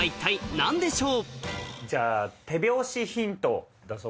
何でしょう？